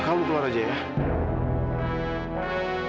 kamu keluar aja ya